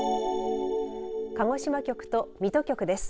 鹿児島局と水戸局です。